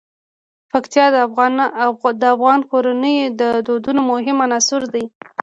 پکتیا د افغان کورنیو د دودونو مهم عنصر دی.